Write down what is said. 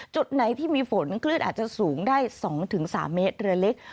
จุดไหนที่มีฝนคลื่นอาจจะสูงได้๒๓เมตรเรือเล็ก